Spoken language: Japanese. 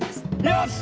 よし！